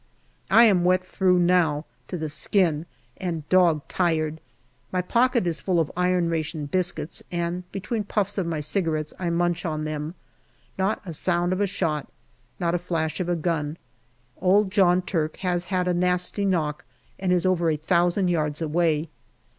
I am wet through now to the skin, and dog tired ; my pocket is full of iron ration biscuits, and between puffs of my cigarettes I munch them. Not a sound of a shot, not a flash of a gun. Old John Turk has had a nasty knock and is over a thousand yards away.